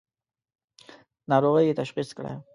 ناروغۍ یې تشخیص کړه.